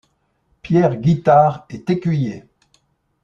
Pierre Gittard est écuyer.